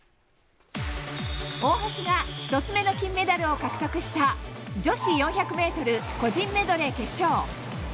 大橋が１つ目の金メダルを獲得した女子４００ｍ個人メドレー決勝。